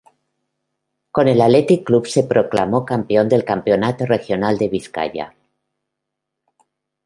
Con el Athletic Club, se proclamó campeón del Campeonato Regional de Vizcaya.